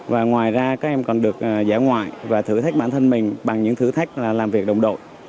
và ngoài ra các em còn được giải ngoại và thử thách bản thân mình bằng những thử thách là làm việc đồng đội